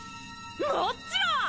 もっちろん！